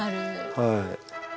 はい。